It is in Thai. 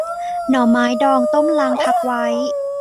หน่อไม้ดองต้มล้างพักไว้